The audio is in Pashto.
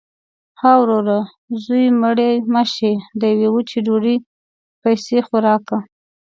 – ها وروره! زوی مړی مه شې. د یوې وچې ډوډۍ پیسې خو راکه.